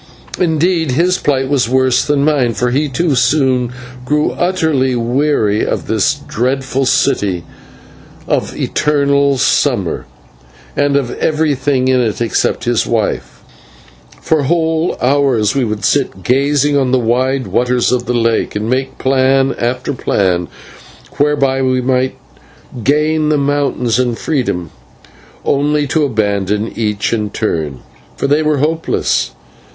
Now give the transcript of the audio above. Indeed his plight was worse than mine, for he too soon grew utterly weary of this dreadful city of eternal summer, and of everything in it except his wife. For whole hours we would sit gazing on the wide waters of the lake, and make plan after plan whereby we might gain the mountains and freedom, only to abandon each in turn. For they were hopeless.